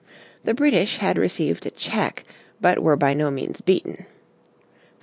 The British had received a check, but were by no means beaten.